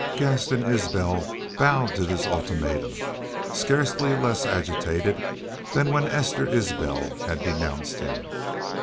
Gaston Isbel bowed to this ultimatum, scarcely less agitated than when Esther Isbel had denounced him.